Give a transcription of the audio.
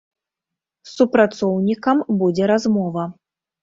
З супрацоўнікам будзе размова.